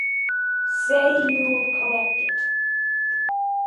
Say you’ll collect it!